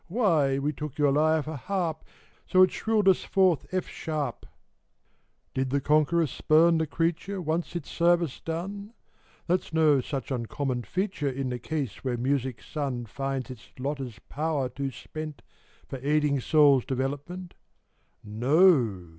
Why, we took your lyre for harp, So it shrilled us forth F sharp !" Did the conqueror spurn the creature, Once its service done ? That's no such uncommon feature In the case when Music's son Finds his Lotte's power too spent For aiding soul development. No